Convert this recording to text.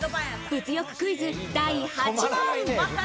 物欲クイズ、第８問。